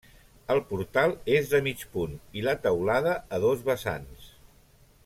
El portal és de mig punt i la teulada a dos vessants.